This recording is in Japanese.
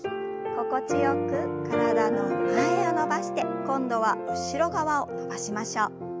心地よく体の前を伸ばして今度は後ろ側を伸ばしましょう。